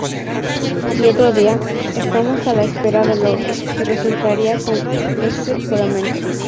Y otro día: “Estamos a la espera de lo que resultará con ese juramento.